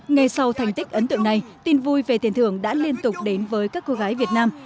ngay sau thành tích ấn tượng này tin vui về tiền thưởng đã liên tục đến với các cô gái việt nam